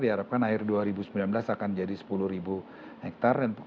diharapkan akhir dua ribu sembilan belas akan jadi sepuluh hektare